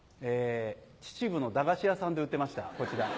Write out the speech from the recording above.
秩父の駄菓子屋さんで売ってましたこちら。